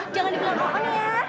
jangan dibelah belahan ya